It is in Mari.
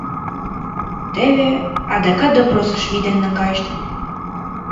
Теве: «Адакат допросыш вӱден наҥгайышт.